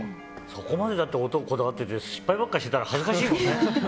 そこまで音にこだわってて失敗ばっかしてたら恥ずかしいもんね。